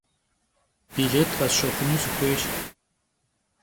Bilêt khesşexunu sxuêyş.